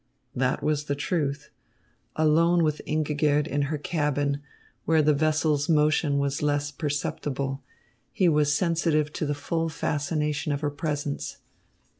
That was the truth. Alone with Ingigerd in her cabin, where the vessel's motion was less perceptible, he was sensitive to the full fascination of her presence.